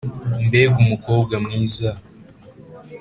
mbega umukobwa mwiza!